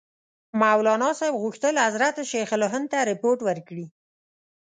مولناصاحب غوښتل حضرت شیخ الهند ته رپوټ ورکړي.